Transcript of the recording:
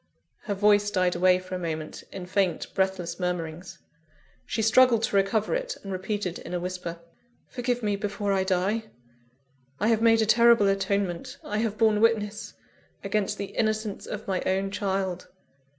Her voice died away for a moment, in faint, breathless murmurings. She struggled to recover it, and repeated in a whisper: "Forgive me before I die! I have made a terrible atonement; I have borne witness against the innocence of my own child.